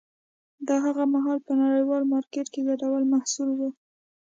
دا هغه مهال په نړیوال مارکېټ کې ګټور محصول و